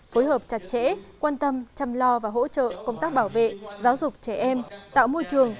phối hợp chặt chẽ quan tâm chăm lo và hỗ trợ công tác bảo vệ giáo dục trẻ em tạo môi trường